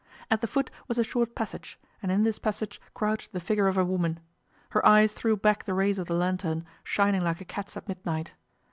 At the foot was a short passage, and in this passage crouched the figure of a woman. Her eyes threw back the rays of the lantern, shining like a cat's at midnight.